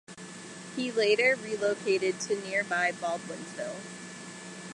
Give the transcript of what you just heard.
He later relocated to nearby Baldwinsville.